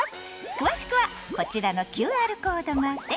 詳しくはこちらのＱＲコードまで！